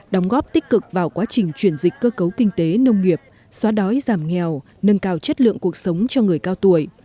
đóng góp tích cực vào quá trình chuyển dịch cơ cấu kinh tế nông nghiệp xóa đói giảm nghèo nâng cao chất lượng cuộc sống cho người cao tuổi